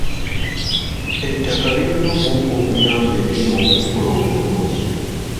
Ettaka lirina obuwuka obuyamba ebimera okukula obulungi.